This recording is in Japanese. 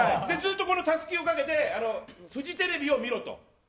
ずっと、このたすきをかけてフジテレビを見ろと。